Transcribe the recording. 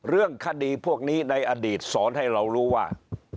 เรื่องคดีพวกนี้ในอดีตสอนให้เรารู้ว่า